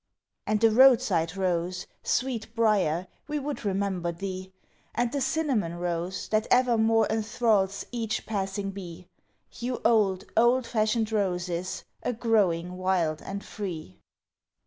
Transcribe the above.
And the roadside rose, sweet briar, we would remember thee And the cinnamon rose that evermore enthralls each passing bee, You old, old fashioned roses, a growing wild and free.